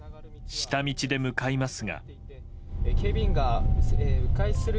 下道で向かいますが。